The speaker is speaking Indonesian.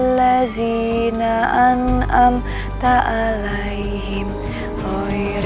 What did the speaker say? basin media menghancurkan kemanusiaan